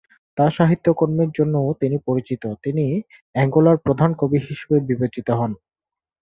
তার সাহিত্যকর্মের জন্যও তিনি পরিচিত, তিনি অ্যাঙ্গোলার প্রধান কবি হিসাবে বিবেচিত হন।